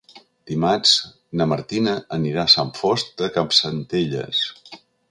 Dimarts na Martina anirà a Sant Fost de Campsentelles.